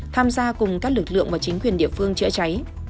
tham gia cùng các lực lượng và chính quyền địa phương chữa cháy